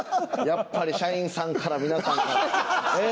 やっぱり社員さんから皆さんからええ